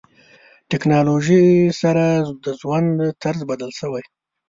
ټکنالوژي سره د ژوند طرز بدل شوی.